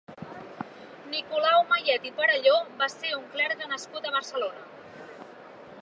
Nicolau Mayet i Perelló va ser un clergue nascut a Barcelona.